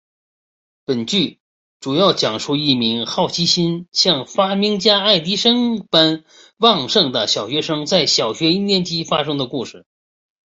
本剧主要讲述一名好奇心像发明家爱迪生般旺盛的小学生在小学一年级发生的故事。